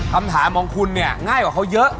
คำถามของคุณเนี่ยง่ายกว่าเขาเยอะ